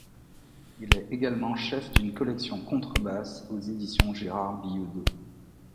Il est également chef d'une collection Contrebasse aux éditions Gérard Billaudot.